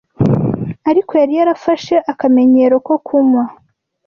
ariko yari yarafashe akamenyero ko kunywa,